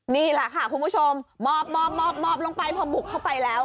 นี่แหละค่ะคุณผู้ชมหมอบลงไปพอบุกเข้าไปแล้ว